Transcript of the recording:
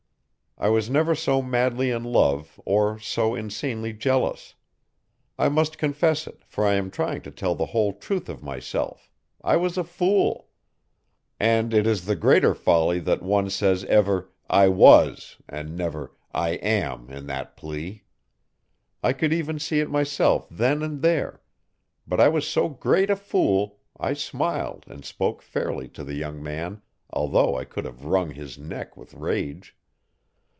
I was never so madly in love or so insanely jealous. I must confess it for I am trying to tell the whole truth of myself I was a fool. And it is the greater folly that one says ever 'I was,' and never 'I am' in that plea. I could even see it myself then and there, but I was so great a fool I smiled and spoke fairly to the young man although I could have wrung his neck with rage.